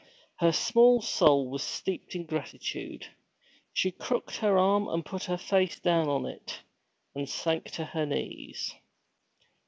Her small soul was steeped in gratitude. She crooked her arm and put her face down on it, and sank to her knees.